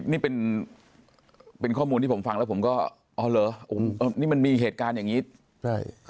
นี่เป็นข้อมูลที่ผมฟังแล้วผมก็อ๋อเหรอนี่มันมีเหตุการณ์อย่างนี้ใช่